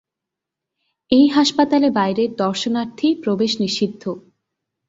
এই হাসপাতালে বাইরের দর্শনার্থী প্রবেশ নিষিদ্ধ।